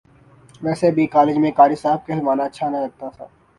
ویسے بھی کالج میں قاری صاحب کہلوانا اچھا نہ لگتا تھا